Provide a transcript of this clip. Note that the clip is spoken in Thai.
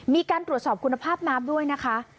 มีการตรวจสอบคุณภาพน้ำด้วยนะคะ